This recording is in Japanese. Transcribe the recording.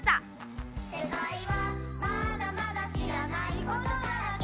「せかいはまだまだしらないことだらけ」